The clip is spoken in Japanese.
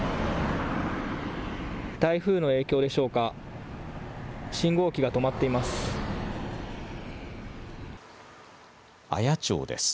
台風の影響でしょうか、信号機が止まっています。